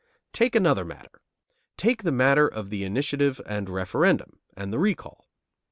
Take another matter. Take the matter of the initiative and referendum, and the recall.